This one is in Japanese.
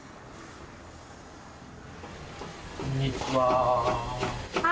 こんにちは。